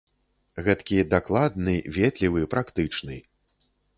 Гэткі дакладны, ветлівы, практычны!